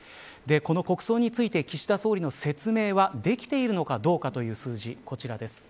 この国葬について岸田総理の説明はできているのかどうかという数字です。